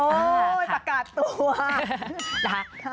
โอ้ยประกาศตัว